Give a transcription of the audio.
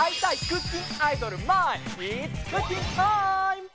クッキンアイドルまいん！